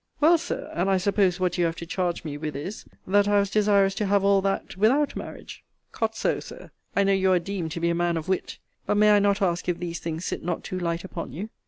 Well, Sir, and I suppose what you have to charge me with is, that I was desirous to have all that, without marriage? Cot so, Sir, I know you are deemed to be a man of wit: but may I not ask if these things sit not too light upon you?